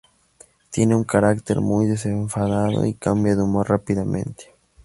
Tiene un carácter muy desenfadado, y cambia de humor rápidamente.